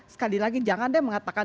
sekali lagi jangan deh mengatakan